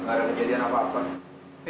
nggak ada kejadian apa apa